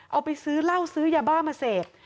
เอาไปซื้อเหล้าซื้อยาบ้ามาเสพ